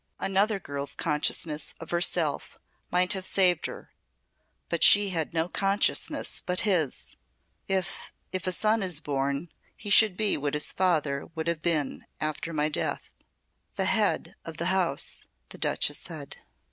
Another girl's consciousness of herself might have saved her, but she had no consciousness but his. If if a son is born he should be what his father would have been after my death." "The Head of the House," the Duchess said.